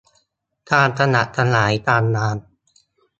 การขยับขยายการงาน